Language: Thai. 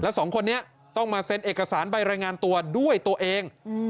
สองคนนี้ต้องมาเซ็นเอกสารใบรายงานตัวด้วยตัวเอง